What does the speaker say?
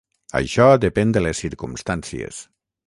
Això depèn de les circumstàncies.